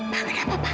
pak kenapa pak